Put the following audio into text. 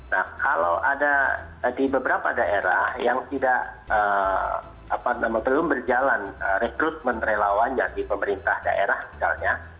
nah kalau ada di beberapa daerah yang belum berjalan rekrutmen relawannya di pemerintah daerah misalnya